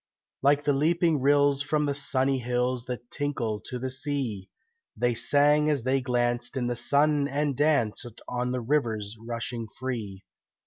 Like the leaping rills from the sunny hills That tinkle to the sea, They sang as they glanced in the sun and danced On the rivers rushing free.